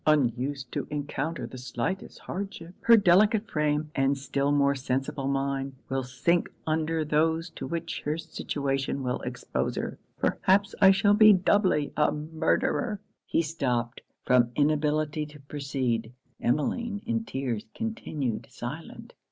Unused to encounter the slightest hardship, her delicate frame, and still more sensible mind, will sink under those to which her situation will expose her perhaps I shall be doubly a murderer!' He stopped, from inability to proceed Emmeline, in tears, continued silent.